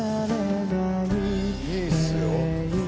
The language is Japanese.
いいっすよ。